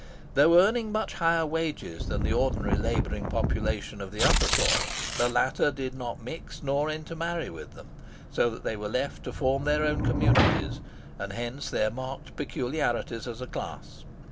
Though earning much higher wages than the ordinary labouring population of the upper soil, the latter did not mix nor intermarry with them; so that they were left to form their own communities, and hence their marked peculiarities as a class.